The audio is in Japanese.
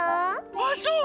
あっそう？